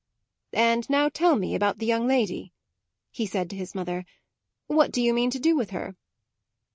"And now tell me about the young lady," he said to his mother. "What do you mean to do with her?"